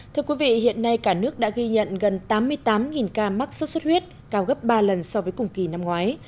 thưa quý vị hiện nay cả nước đã ghi nhận gần tám mươi tám ca mắc sốt xuất huyết cao gấp ba lần so với cùng kỳ năm ngoái